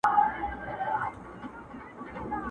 نه د جنډۍ په ننګولو د بابا سمېږي.!